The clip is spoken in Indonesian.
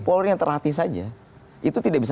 polri yang terhati saja itu tidak bisa